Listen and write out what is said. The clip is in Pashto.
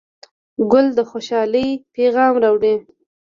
ګل د خوشحالۍ پیغام راوړي.